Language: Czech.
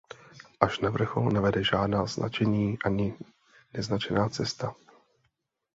Až na vrchol nevede žádná značená ani neznačená cesta.